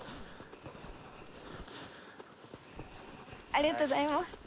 ありがとうございます。